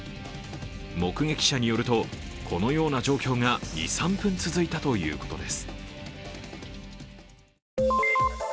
目撃者によると、このような状況が２３分続いたということです。